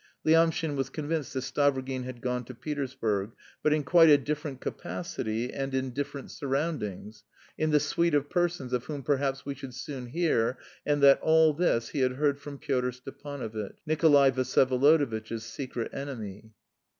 (Lyamshin was convinced that Stavrogin had gone to Petersburg), but in quite a different capacity and in different surroundings, in the suite of persons of whom perhaps we should soon hear, and that all this he had heard from Pyotr Stepanovitch, "Nikolay Vsyevolodovitch's secret enemy."